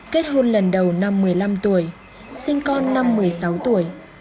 kết hôn lần đầu năm một mươi năm tuổi sinh con năm một mươi sáu tuổi